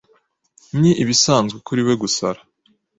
Ni ibisanzwe kuri we gusara.